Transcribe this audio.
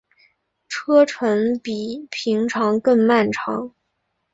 车程比平常更漫长